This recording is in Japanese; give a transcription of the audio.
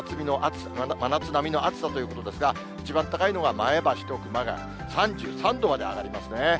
真夏並みの暑さということですが、一番高いのは前橋と熊谷、３３度まで上がりますね。